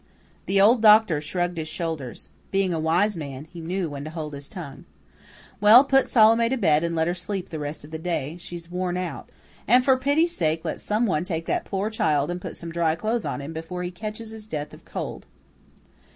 The old doctor shrugged his shoulders again. Being a wise man, he knew when to hold his tongue. "Well, put Salome to bed, and let her sleep the rest of the day. She's worn out. And for pity's sake let some one take that poor child and put some dry clothes on him before he catches his death of cold."